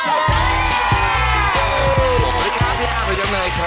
สวัสดีครับพี่อ้าวพี่จับหน่อยครับ